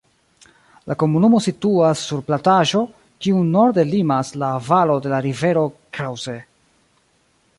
La komunumo situas sur plataĵo, kiun norde limas la valo de la rivero Creuse.